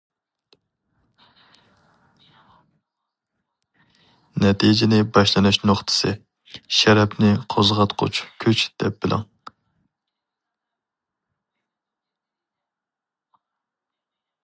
نەتىجىنى باشلىنىش نۇقتىسى، شەرەپنى قوزغاتقۇچ كۈچ دەپ بىلىڭ.